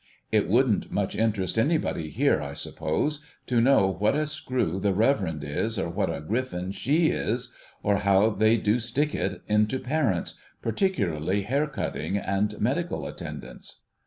It wouldn't much interest anybody here, I suppose, to know what a screw the Reverend is, or what a griffin she is, or how they do stick it into parents — particularly hair cutting, and medical attendance.